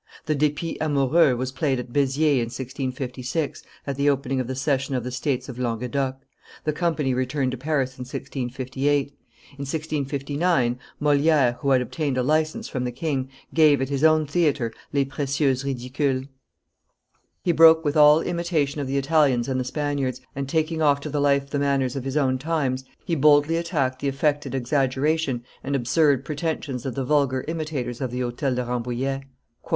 The Depit amoureux was played at Beziers in 1656, at the opening of the session of the States of Languedoc; the company returned to Paris in 1658; in 1659, Moliere, who had obtained a license from the king, gave at his own theatre les Precieuses ridicules. He broke with all imitation of the Italians and the Spaniards, and, taking off to the life the manners of his own times, he boldly attacked the affected exaggeration and absurd pretensions of the vulgar imitators of the Hotel de Rambouillet.